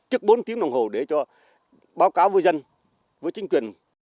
trước bốn tiếng đồng hồ để cho báo cáo với dân với chính quyền